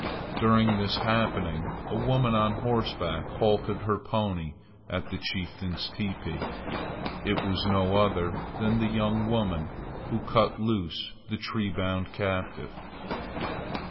During this happening, a woman on horseback halted her pony at the chieftain's teepee. It was no other than the young woman who cut loose the tree bound captive!